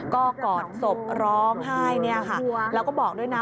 ก็กอดศพร้องให้แล้วก็บอกด้วยนะ